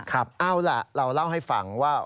เอาล่ะเราเล่าให้ฟังว่า